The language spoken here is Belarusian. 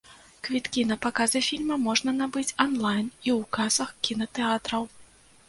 Квіткі на паказы фільма можна набыць анлайн і ў касах кінатэатраў.